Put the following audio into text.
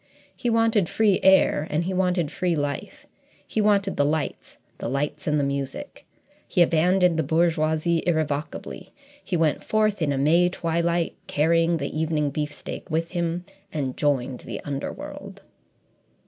He wanted free air and he wanted free life; he wanted the lights, the lights, and the music. He abandoned the bourgeoisie irrevocably. He went forth in a May twilight, carrying the evening beefsteak with him, and joined the underworld.